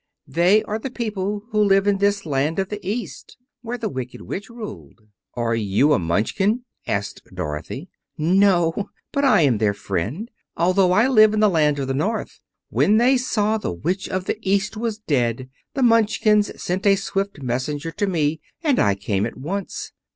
"They are the people who live in this land of the East where the Wicked Witch ruled." "Are you a Munchkin?" asked Dorothy. "No, but I am their friend, although I live in the land of the North. When they saw the Witch of the East was dead the Munchkins sent a swift messenger to me, and I came at once.